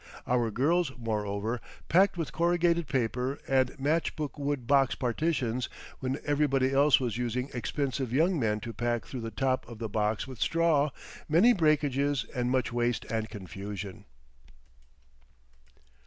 Our girls, moreover, packed with corrugated paper and matchbook wood box partitions when everybody else was using expensive young men to pack through the top of the box with straw, many breakages and much waste and confusion.